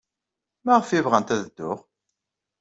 Maɣef ay bɣant ad dduɣ?